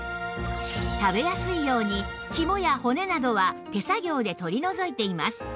食べやすいように肝や骨などは手作業で取り除いています